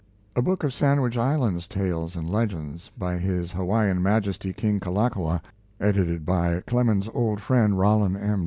A book of Sandwich Islands tales and legends, by his Hawaiian Majesty King Kalakaua, edited by Clemens's old friend, Rollin M.